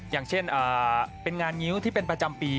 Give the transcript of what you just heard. อย่างเช่นเป็นงานงิ้วที่เป็นประจำปี